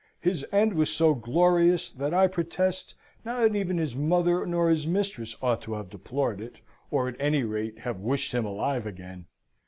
His end was so glorious, that I protest not even his mother nor his mistress ought to have deplored it, or at any rate have wished him alive again.